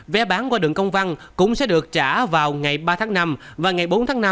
vé bán qua đường công văn cũng sẽ được trả vào ngày ba tháng năm và ngày bốn tháng năm